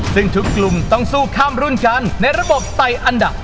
ซึ่งทุกกลุ่มต้องสู้ข้ามรุ่นกันในระบบใส่อันดับ